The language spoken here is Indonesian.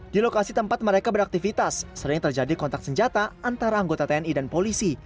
di lokasi tempat mereka beraktivitas sering terjadi kontak senjata antara anggota tni dan polisi